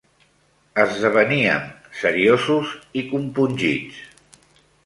Esdeveníem seriosos i compungits